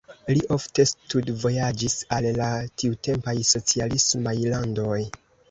Li ofte studvojaĝis al la tiutempaj socialismaj landoj.